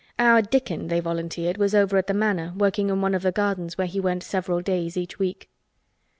"Our Dickon," they volunteered, was over at the Manor working in one of the gardens where he went several days each week.